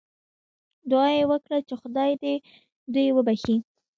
دعا یې وکړه چې خدای دې دوی وبخښي.